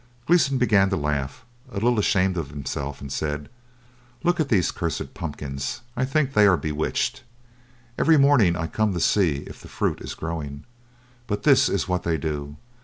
Gleeson began to laugh, a little ashamed of himself, and said, "Look at these cursed pumpkins. I think they are bewitched. Every morning I come to see if the fruit is growing, but this is what they do.